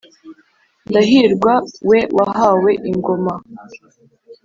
ndahirwa we wahawe ingoma